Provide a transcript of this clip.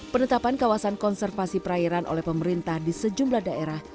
penetapan kawasan konservasi perairan oleh pemerintah di sejumlah daerah